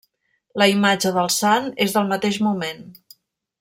La imatge del sant és del mateix moment.